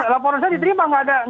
laporan saya diterima